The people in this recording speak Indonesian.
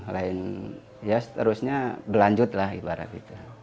lain ya seterusnya berlanjut lah ibarat itu